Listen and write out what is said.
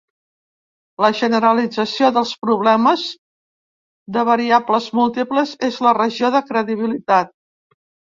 La generalització dels problemes de variables múltiples és la regió de credibilitat.